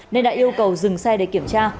nên đã yêu cầu dừng xe để kiểm tra